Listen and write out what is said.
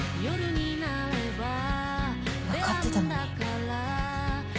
わかってたのに。